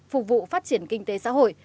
phục vụ phát triển kinh tế xã hội